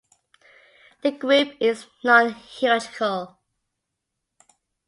The group is non-hierarchical.